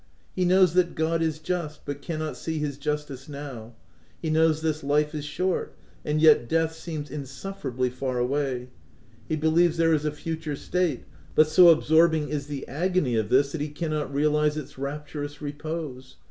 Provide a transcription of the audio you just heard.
He knows that God is just, but cannot see his justice now : he knows this life is short, and yet death seems insufferably far away ; he believes there is a future state, but so absorbing is the agony of this that he cannot realize its rapturous repose.